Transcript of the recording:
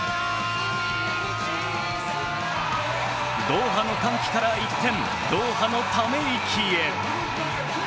ドーハの歓喜から一転、ドーハのため息へ。